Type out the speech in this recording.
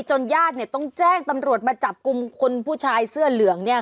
ญาติเนี่ยต้องแจ้งตำรวจมาจับกลุ่มคนผู้ชายเสื้อเหลืองเนี่ย